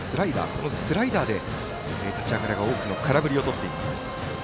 このスライダーで立ち上がりから多くの空振りをとっています。